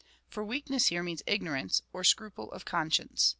'' For weakness here means ignorance, or scruple of conscience.